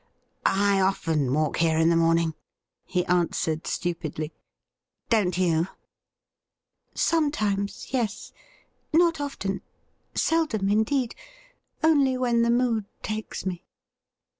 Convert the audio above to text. ' I often walk here in the morning,' he answered stupidly. ' Don't you .?' 'Sometimes — yes — not often — seldom indeed — only when the mood takes me.'